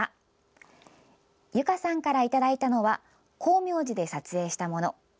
ゆかさんからいただいたのは光明寺で撮影したもの。